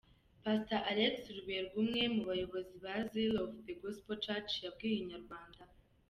Pastor Alex Ruberwa umwe mu bayobozi ba Zeal of the Gospel church, yabwiye Inyarwanda.